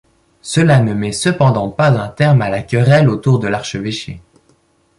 Cela ne met cependant pas un terme à la querelle autour de l'archevêché.